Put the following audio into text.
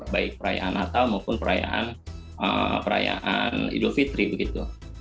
baik perayaan natal maupun perayaan hari raya idul fitri kaum elit